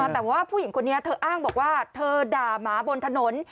แต่ว่าผู้หญิงคนนี้เธออ้างบอกว่าเธอด่าหมาบนถนน